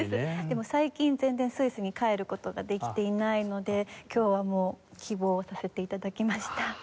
でも最近全然スイスに帰る事ができていないので今日はもう希望をさせて頂きました。